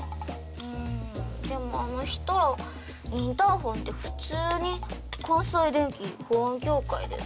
うーんでもあの人インターホンで普通に「関西電気保安協会です」って言うねん。